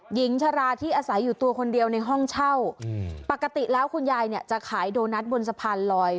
หญิงชะลาที่อาศัยอยู่ตัวคนเดียวในห้องเช่าปกติแล้วคุณยายเนี่ยจะขายโดนัทบนสะพานลอย